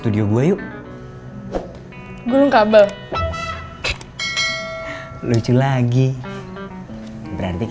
tapi makin bisnis rambut sujud rps